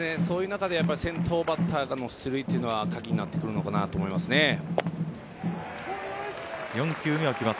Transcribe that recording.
そういう中で先頭バッターの出塁が鍵になってくるかなと思いますね。